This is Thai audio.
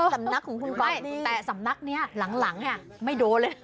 สำนักของคุณก๊อฟแต่สำนักนี้หลังไม่โดนเลย